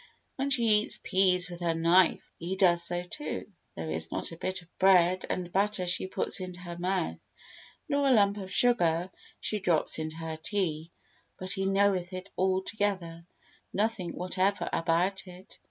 When she eats peas with her knife, he does so too; there is not a bit of bread and butter she puts into her mouth, nor a lump of sugar she drops into her tea, but he knoweth it altogether, though he knows nothing whatever about it.